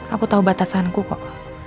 aku tau batasanku kok